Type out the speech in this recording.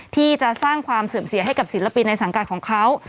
ที่จะสร้างความเสื่อมเสียให้กับศิลปินในสังกัดของเขา